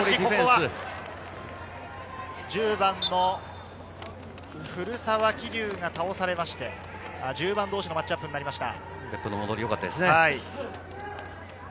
１０番・古澤希竜が倒されて、１０番同士のマッチアップになりました。